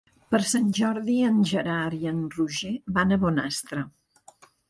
Per Sant Jordi en Gerard i en Roger van a Bonastre.